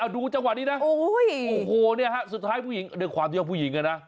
ดูจังหวะนี้นะโอ้โหเนี่ยฮะสุดท้ายผู้หญิงด้วยความที่ว่าผู้หญิงนะ